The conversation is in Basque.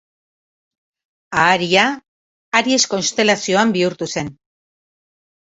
Aharia, Aries konstelazioan bihurtu zen.